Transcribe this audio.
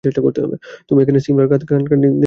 তুমি এখানের সিমলার, খানদানি পরিবারেই আছো।